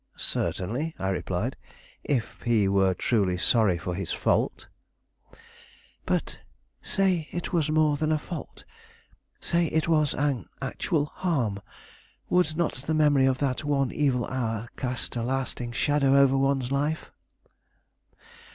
"Certainly," I replied; "if he were truly sorry for his fault." "But say it was more than a fault; say it was an actual harm; would not the memory of that one evil hour cast a lasting shadow over one's life?"